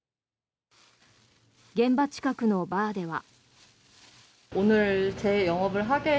現場近くのバーでは。